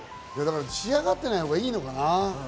仕上がってないほうがいいのかな？